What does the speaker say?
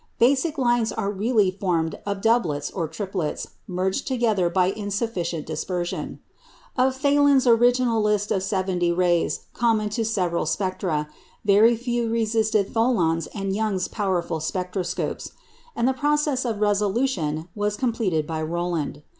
"Basic" lines are really formed of doublets or triplets merged together by insufficient dispersion. Of Thalèn's original list of seventy rays common to several spectra, very few resisted Thollon's and Young's powerful spectroscopes; and the process of resolution was completed by Rowland.